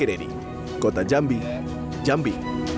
arven kenedi kota jambi jambi